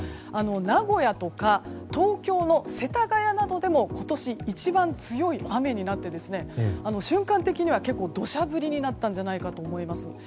名古屋とか東京の世田谷などでも今年一番強い雨になって瞬間的には結構土砂降りになったんじゃないかなと思います。